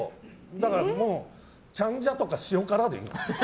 もうチャンジャとか塩辛でいい。